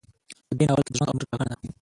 په دې ناول کې د ژوند او مرګ ټاکنه ده.